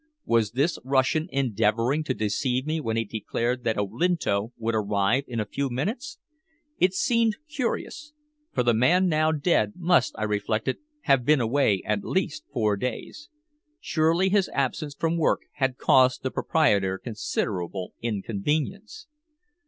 Was this Russian endeavoring to deceive me when he declared that Olinto would arrive in a few minutes? It seemed curious, for the man now dead must, I reflected, have been away at least four days. Surely his absence from work had caused the proprietor considerable inconvenience?